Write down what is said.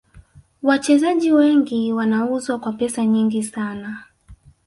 Wachezaji wengi wanauzwa kwa pesa nyingi sana